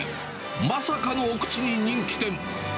まさかの奥地に人気店。